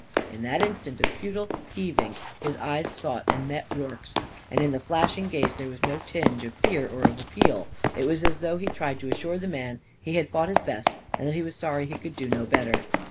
In that instant of futile heaving his eyes sought and met Rorke's. And in the flashing gaze there was no tinge of fear or of appeal. It was as though he tried to assure the man that he had fought his best and that he was sorry he could do no better.